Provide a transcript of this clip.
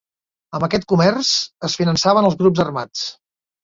Amb aquest comerç, es finançaven els grups armats.